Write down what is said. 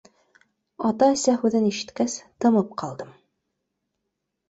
Ата-әсә һүҙен ишеткәс, тымып ҡалдым.